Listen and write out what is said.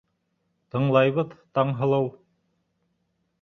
Тыңлайбыҙ, Таңһылыу.